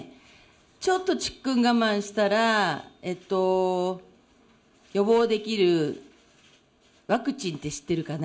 ちょっとちくん我慢したら、予防できる、ワクチンって知ってるかな？